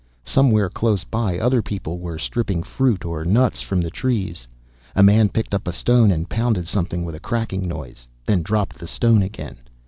Somewhere close by other people were stripping fruit or nuts from the trees. A man picked up a stone and pounded something with a cracking noise, then dropped the stone again.